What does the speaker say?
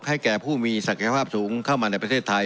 แก่ผู้มีศักยภาพสูงเข้ามาในประเทศไทย